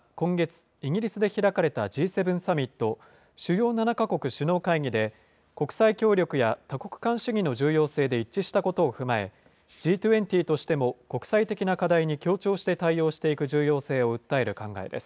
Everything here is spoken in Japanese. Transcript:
茂木大臣は今月、イギリスで開かれたＧ７サミット・主要７か国首脳会議で国際協力や多国間主義の重要性で一致したことを踏まえ、Ｇ２０としても国際的な課題に協調して対応していく重要性を訴える考えです。